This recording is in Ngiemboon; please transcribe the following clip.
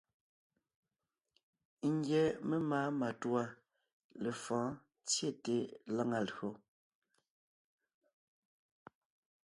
Ńgyɛ́ memáa matûa lefɔ̌ɔn tsyete lǎŋa lÿò.